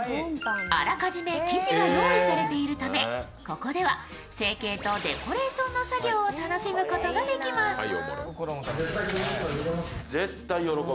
あらかじめ生地が用意されているため、ここでは成形とデコレーションの作業を楽しむことができます。